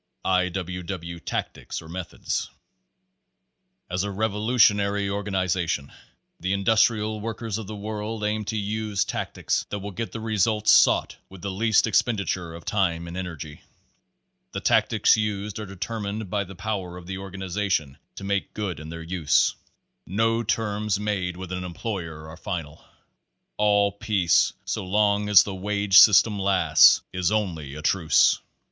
I. W. W. Tactics or Methods As a revolutionary organization the Industrial Workers of the World aims to use tactics that will get the results sought with the least expenditure of time and energy. The tactics used are determined by the power of the organization to make good in their use. No terms made with an employer are final. All peace so long as the wage system lasts, is only a truce.